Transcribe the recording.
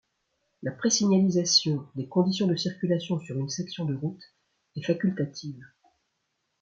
La présignalisation des conditions de circulation sur une section de route est facultative.